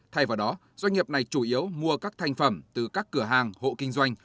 thay vào đó doanh nghiệp này chủ yếu mua các thành phẩm từ các cửa hàng hộ kinh doanh